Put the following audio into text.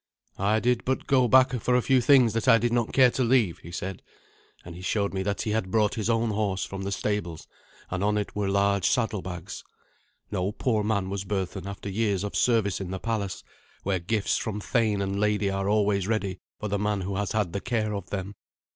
"I did but go back for a few things that I did not care to leave," he said; and he showed me that he had brought his own horse from the stables, and on it were large saddlebags. No poor man was Berthun after years of service in the palace, where gifts from thane and lady are always ready for the man who has had the care of them.